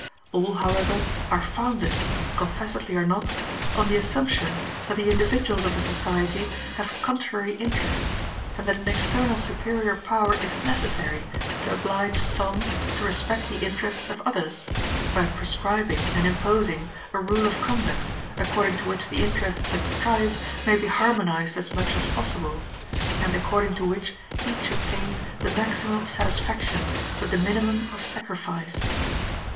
All, however, are founded, confessedly or not, on the assumption that the individuals of a society have contrary interests, and that an external superior power is necessary to oblige some to respect the interests of others, by prescribing and imposing a rule of conduct, according to which the interests at strife may be harmonized as much as possible, and according to which each obtains the maximum of satisfaction with the minimum of sacrifice.